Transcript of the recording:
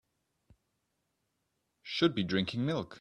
Should be drinking milk.